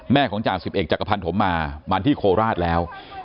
ของจ่าสิบเอกจักรพันธมมามาที่โคราชแล้ว